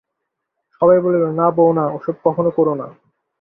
সভয়ে বলিল, না বৌ না, ওসব কখনো কোরো না!